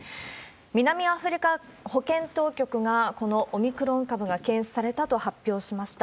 南アフリカ保健当局が、このオミクロン株が検出されたと発表しました。